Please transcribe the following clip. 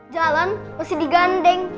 jalan masih digandeng